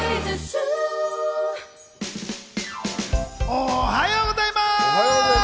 おはようございます。